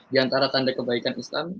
di antara tanda kebaikan islam